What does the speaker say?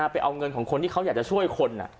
ไปเอาเงินของคนที่เขาอยากจะช่วยคน